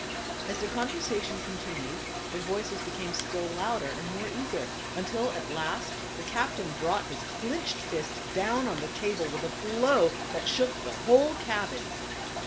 As their conversation continued their voices be came still louder and more eager, until at last the captain brought his clinched fist down on the table with a blow that shook the whole cabin.